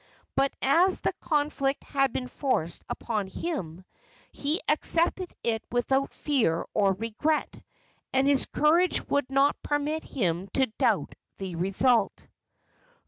But, as the conflict had been forced upon him, he accepted it without fear or regret, and his courage would not permit him to doubt the result.